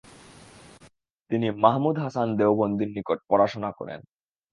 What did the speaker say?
তিনি মাহমুদ হাসান দেওবন্দীর নিকট পড়াশোনা করেন।